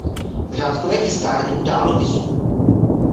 Řádkové tiskárny u dálnopisů.